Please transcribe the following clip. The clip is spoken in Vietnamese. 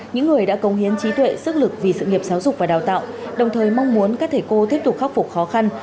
những người đã công hiến trí tuệ sức lực vì sự nghiệp giáo dục và đào tạo đồng thời mong muốn các thầy cô tiếp tục khắc phục khó khăn